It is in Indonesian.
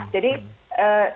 jadi di tataran menteri